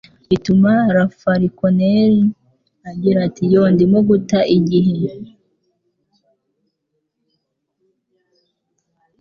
ituma la Falconer agira ati Yoo ndimo guta igihe